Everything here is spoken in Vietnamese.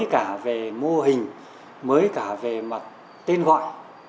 cả về mô hình mới cả về mặt tên gọi